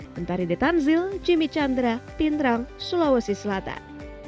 bentar di the tanzil jimmy chandra pinterang sulawesi selatan